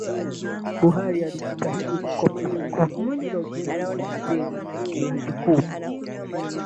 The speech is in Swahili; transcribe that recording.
Buhari alijitahidi kukomesha kundi hilo Jeshi la Nigeria lina jukumu